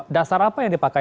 dasar apa yang dipakai